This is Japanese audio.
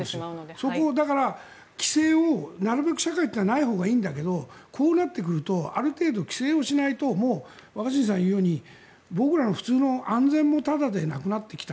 そこをだから規制を、なるべく社会はないほうがいいんだけどこうなってくるとある程度、規制をしないともう若新さんが言うように僕らの普通の安全もタダじゃなくなってきた。